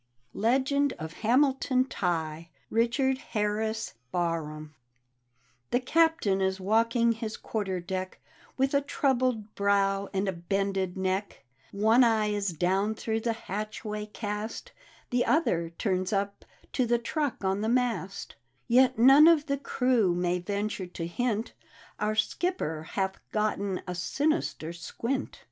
LEGEND OF HAMILTON TIGHE: richard kar ris BARHAM The Captain is walking his quarter deck, With a troubled brow and a bended neck; One eye is down through the hatchway cast, The other turns up to the truck on the mast; Yet none of the crew may venture to hint " Our skipper hath gotten a sinister squint!